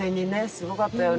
すごかったよね。